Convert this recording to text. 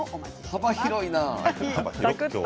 幅広いな。